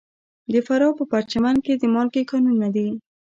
د فراه په پرچمن کې د مالګې کانونه دي.